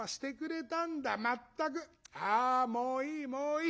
あもういいもういい。